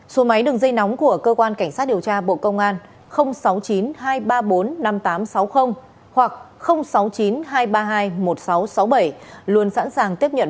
số máy đường dây nóng của cơ quan cảnh sát điều tra bộ công an sáu mươi chín hai trăm ba mươi bốn năm nghìn tám trăm sáu mươi hoặc sáu mươi chín hai trăm ba mươi hai một nghìn sáu trăm sáu mươi bảy luôn sẵn sàng tiếp nhận